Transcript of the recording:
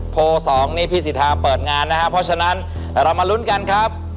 โพลสองนี่พี่สิทธาเปิดงานนะครับเพราะฉะนั้นเรามาลุ้นกันครับ